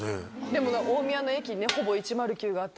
でもね大宮の駅ねほぼ１０９があったり。